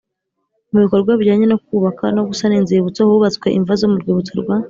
Mu bikorwa bijyanye no kubaka no gusana inzibutso hubatswe imva zo mu rwibutso rwa